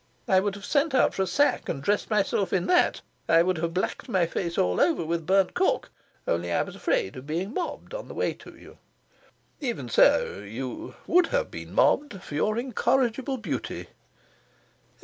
I would have sent out for a sack and dressed myself in that, I would have blacked my face all over with burnt cork, only I was afraid of being mobbed on the way to you." "Even so, you would but have been mobbed for your incorrigible beauty."